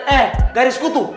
eh garis kutu